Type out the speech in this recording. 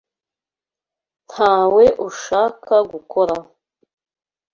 Ntawe ushaka gukoraho.